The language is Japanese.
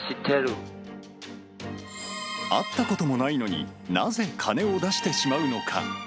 会ったこともないのに、なぜ金を出してしまうのか。